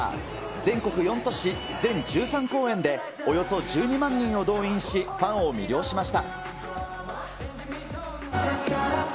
全国４都市全１３公演で、およそ１２万人を動員し、ファンを魅了しました。